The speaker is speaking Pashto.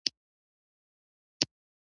خبره د زړه آیینه ده.